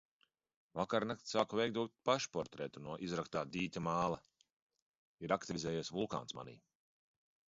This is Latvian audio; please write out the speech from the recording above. Vakarnakt sāku veidot pašportretu no izraktā dīķa māla. Ir aktivizējies vulkāns manī.